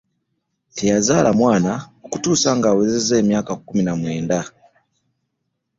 Teyazala mwana okutusa nga awezezza emyaka kkumu na mwenda.